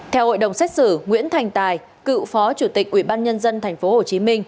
theo hội đồng xét xử nguyễn thành tài cựu phó chủ tịch ubnd tp hcm